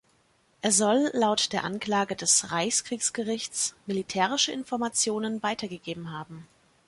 Er soll laut der Anklage des Reichskriegsgerichts militärische Informationen weitergegeben haben.